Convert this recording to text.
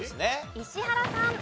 石原さん。